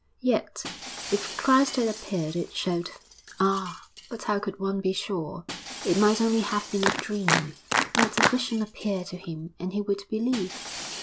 Yet, if Christ had appeared, it showed ah! but how could one be sure? it might only have been a dream. Let a vision appear to him and he would believe.